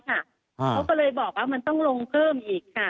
เขาก็เลยบอกว่ามันต้องลงเพิ่มอีกค่ะ